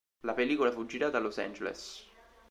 La pellicola fu girata a Los Angeles.